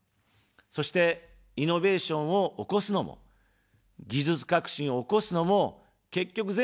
そして、イノベーションを起こすのも、技術革新を起こすのも、結局、全部、人なんです。